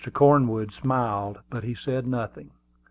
Cornwood smiled, but he said nothing.